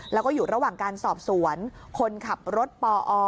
แล้วก็อยู่ระหว่างการสอบสวนคนขับรถปอ